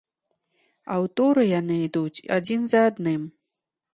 А ў туры яны ідуць адзін за адным.